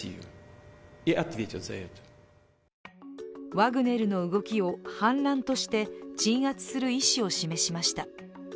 ワグネルの動きを反乱として鎮圧する意思を示しました。